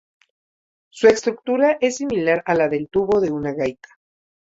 Su estructura es similar a la del tubo de una gaita.